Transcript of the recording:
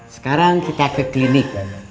sekarang kita ke klinik